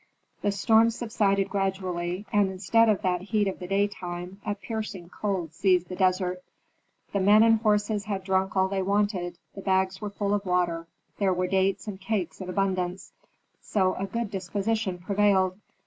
The storm subsided gradually, and instead of that heat of the daytime a piercing cold seized the desert. The men and horses had drunk all they wanted; the bags were full of water; there were dates and cakes in abundance, so a good disposition prevailed.